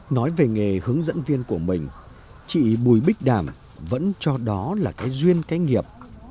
nói về nghề hướng dẫn viên của mình chị bùi bích đảm vẫn cho đó là cái duyên cái nghiệp